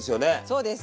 そうです。